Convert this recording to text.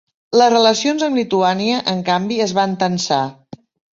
Les relacions amb Lituània en canvi es van tensar.